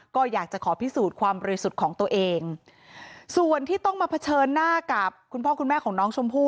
ก็อยากจะขอพิสูจน์ความบริสุทธิ์ของตัวเองส่วนที่ต้องมาเผชิญหน้ากับคุณพ่อคุณแม่ของน้องชมพู่